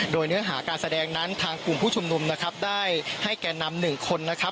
โดยเนื้อหาการแสดงนั้นทางกลุ่มผู้ชุมนุมนะครับได้ให้แก่นำหนึ่งคนนะครับ